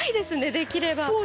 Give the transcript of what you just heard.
できれば。